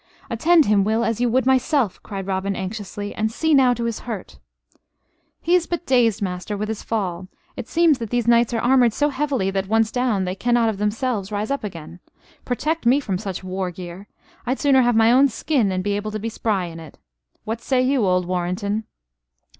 "Attend him, Will, as you would myself," cried Robin, anxiously, "and see now to his hurt " "He is but dazed, master, with his fall. It seems that these knights are armored so heavily that once down they cannot of themselves rise up again! Protect me from such war gear! I'd sooner have my own skin and be able to be spry in it. What say you, old Warrenton?"